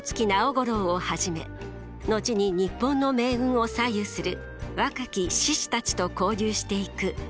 五郎をはじめ後に日本の命運を左右する若き志士たちと交流していく於一。